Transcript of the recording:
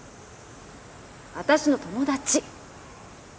私の友達！